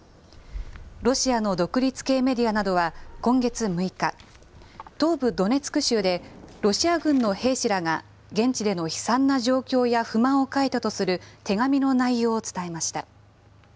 ロシアの独立系メディアなどは今月６日、東部ドネツク州で、ロシア軍の兵士らが現地での悲惨な状況や不満を書いたとする手紙の内容を伝えました。